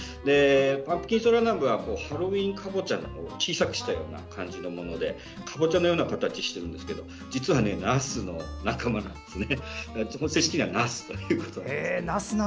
パンプキンソラナムはハロウィーンかぼちゃを小さくしたような感じのものでかぼちゃのような形をしているんですが実は、なすの仲間なんですね。